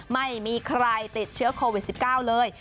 ไม่มีใครติดเชื้อโควิด๑๙เลย